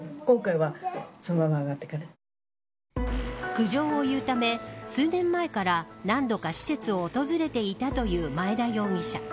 苦情を言うため、数年前から何度か施設を訪れていたという前田容疑者。